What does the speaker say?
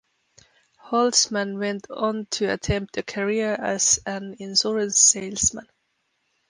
Holtzman went on to attempt a career as an insurance salesman.